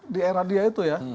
di era dia itu ya